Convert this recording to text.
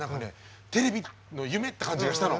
テレビの夢！って感じがしたの。